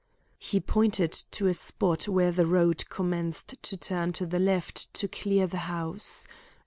He pointed to a spot where the road commenced to turn to the left to clear the house.